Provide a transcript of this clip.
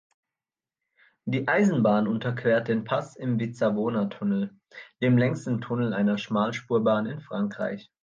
Die Eisenbahn unterquert den Pass im Vizzavona-Tunnel, dem längsten Tunnel einer Schmalspurbahn in Frankreich.